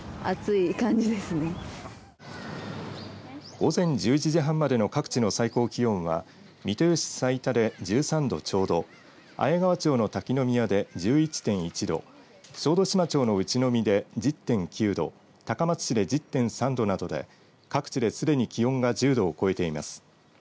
午前１１時半までの各地の最高気温は三豊市財田で１３度ちょうど綾川町の滝宮で１１．１度小豆島町の内海で１０．９度高松市で１０．３度などで各地で、すでに気温が１０度を超えています。